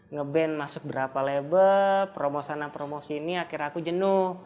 ngeband masuk berapa level promo sana promosi ini akhirnya aku jenuh